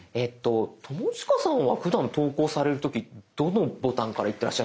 友近さんはふだん投稿される時どのボタンからいってらっしゃいますか？